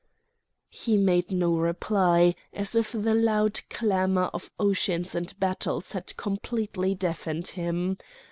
He made no reply, as if the loud clamour of oceans and battles had completely deafened him.